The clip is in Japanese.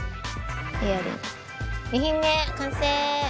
２品目完成。